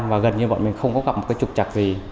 và gần như bọn mình không có gặp một cái trục trặc gì